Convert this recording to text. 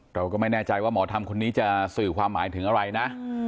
เราก็ไม่แน่ใจว่าหมอธรรมคนนี้จะสื่อความหมายถึงอะไรนะ